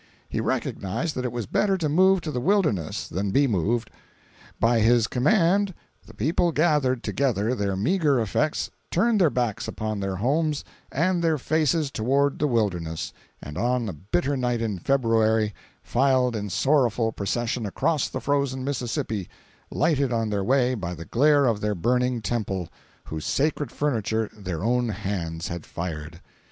He recognized that it was better to move to the wilderness than be moved. By his command the people gathered together their meagre effects, turned their backs upon their homes, and their faces toward the wilderness, and on a bitter night in February filed in sorrowful procession across the frozen Mississippi, lighted on their way by the glare from their burning temple, whose sacred furniture their own hands had fired!